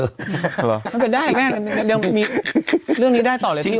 มันเป็นได้แม่ยังมีเรื่องนี้ได้ต่อเลยพี่